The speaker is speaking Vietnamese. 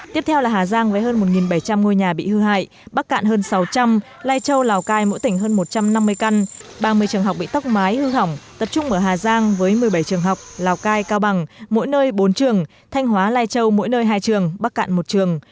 tiếp theo là hà giang với hơn một bảy trăm linh ngôi nhà bị hư hại bắc cạn hơn sáu trăm linh lai châu lào cai mỗi tỉnh hơn một trăm năm mươi căn ba mươi trường học bị tóc mái hư hỏng tập trung ở hà giang với một mươi bảy trường học lào cai cao bằng mỗi nơi bốn trường thanh hóa lai châu mỗi nơi hai trường bắc cạn một trường